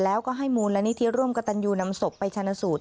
แล้วก็ให้มูลนิธิร่วมกับตันยูนำศพไปชนะสูตร